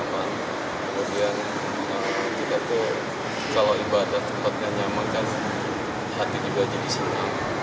kemudian kita tuh kalau ibadah tempatnya nyaman kan hati juga jadi senang